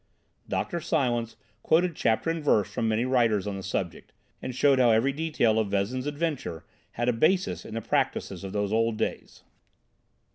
Dr. Silence quoted chapter and verse from many writers on the subject, and showed how every detail of Vezin's adventure had a basis in the practices of those dark days.